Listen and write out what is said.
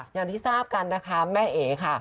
อย่างที่ทราบกันนะคะแม่เอ๋ค่ะ